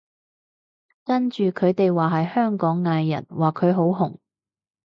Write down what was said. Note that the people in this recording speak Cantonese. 跟住佢哋話係香港藝人，話佢好紅